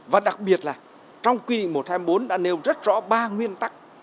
và đặc biệt là trong quy định một trăm hai mươi bốn đã nêu rất rõ ba nguyên tắc